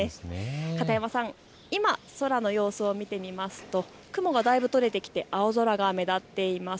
片山さん、今空の様子を見てみると雲がだいぶ取れてきて青空が目立っています。